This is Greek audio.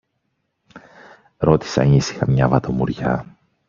ρώτησε ανήσυχα μια βατομουριά.